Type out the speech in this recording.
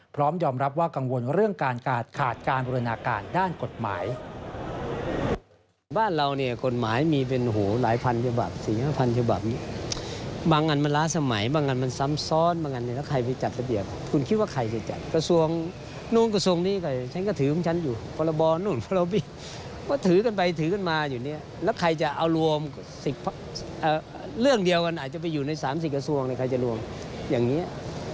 พร้อมยอมรับว่ากังวลเรื่องการขาดการบูรณาการด้านกฎหมาย